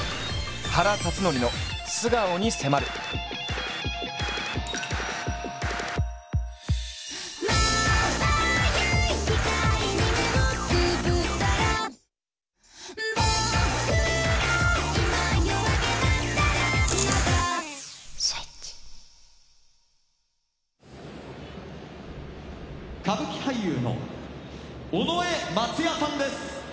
原辰徳の歌舞伎俳優の尾上松也さんです。